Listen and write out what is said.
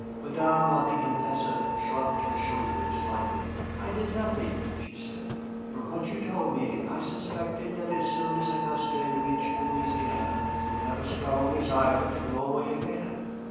Madame la Vicomtesse shrugged her shoulders slightly. "I did nothing," she said. "From what you told me, I suspected that as soon as Auguste reached Louisiana he would have a strong desire to go away again.